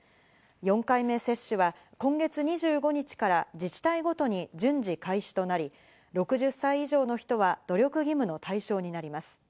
４回目接種は今月２５日から自治体ごとに順次開始となり、６０歳以上の人は努力義務の対象になります。